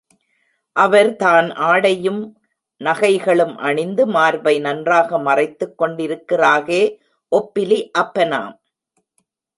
அவர்தான் ஆடையும் நகைகளும் அணிந்து மார்பை நன்றாக மறைத்துக் கொண்டிருக்கிறாகே ஒப்பிலி, அப்பனாம்.